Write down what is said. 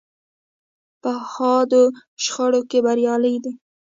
په حادو شخړو کې بریالۍ ده.